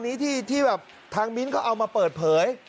ชัตเตอร์ตอนนี้ที่แบบทางมิ๊นเค้าเอามาเปิดเผย